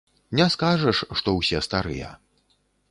Не скажаш, што ўсе старыя.